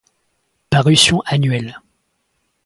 Parution annuelle.